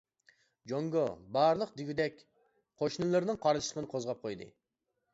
جۇڭگو بارلىق دېگۈدەك قوشنىلىرىنىڭ قارشىلىقىنى قوزغاپ قويدى.